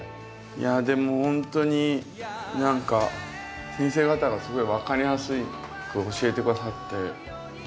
いやでもほんとに何か先生方がすごい分かりやすく教えて下さって。